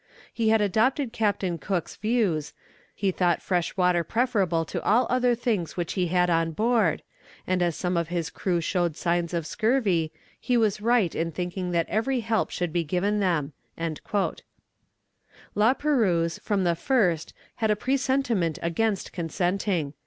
"He had adopted Captain Cook's views: he thought fresh water preferable to all other things which he had on board; and as some of his crew showed signs of scurvy, he was right in thinking that every help should be given them." La Perouse from the first had a presentiment against consenting.